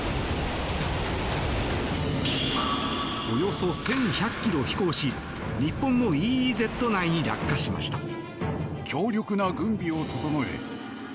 およそ１１００ｋｍ飛行し日本のＥＥＺ内に落下しました。